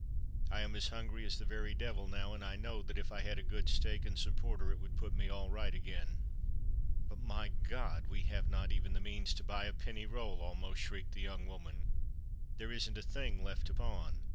I am as hungry as the very devil now—and I know that if I had a good steak and some porter, it would put me all right again." "But, my God! we have not even the means to buy a penny roll!" almost shrieked the young woman. "There isn't a thing left to pawn.